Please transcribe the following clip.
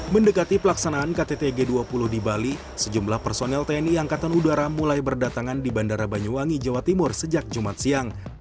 mendekati pelaksanaan ktt g dua puluh di bali sejumlah personel tni angkatan udara mulai berdatangan di bandara banyuwangi jawa timur sejak jumat siang